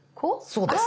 そうです。